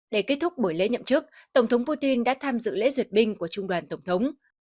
để kết thúc buổi lễ nhậm chức tổng thống putin đã tham dự lễ duyệt binh của trung đoàn tổng thống